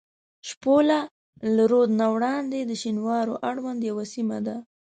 شپوله له رود نه وړاندې د شینوارو اړوند یوه سیمه ده.